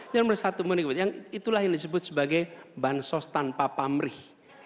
yang itu yang disebut sebagai bansos tanpa pamrih